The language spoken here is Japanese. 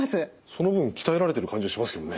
その分鍛えられてる感じはしますけどね。